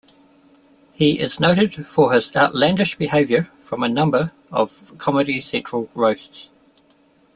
He is noted for his outlandish behavior from a number of "Comedy Central Roasts".